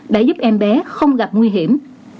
đã giúp em bé không gặp nguy hiểm